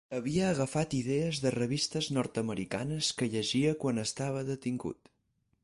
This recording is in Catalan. Havia agafat idees de revistes nord-americanes que llegia quan estava detingut.